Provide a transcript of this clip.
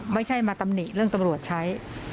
ไม่ใช่มาตำหนิเรื่องตำรวจใช้